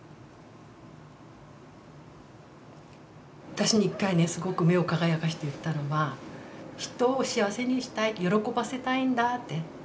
私に一回ねすごく目を輝かせて言ったのは人を幸せにしたい喜ばせたいんだって。